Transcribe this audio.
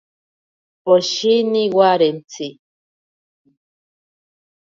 Poshini warentsi.